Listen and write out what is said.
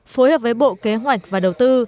phối hợp với bộ kế hoạch và đầu tư